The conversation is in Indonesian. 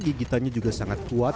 gigitannya juga sangat kuat